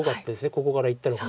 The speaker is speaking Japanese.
ここからいったのが。